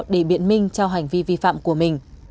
để biện minh cho hành vi vi phạm của mình